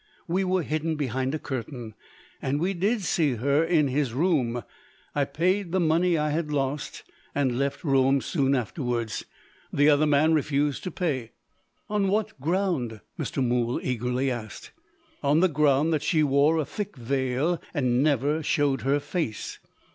We were hidden behind a curtain, and we did see her in his room. I paid the money I had lost, and left Rome soon afterwards. The other man refused to pay." "On what ground?" Mr. Mool eagerly asked. "On the ground that she wore a thick veil, and never showed her face."